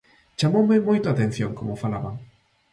Chamoume moito a atención como falaban.